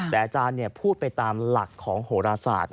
แต่อาจารย์พูดไปตามหลักของโหรศาสตร์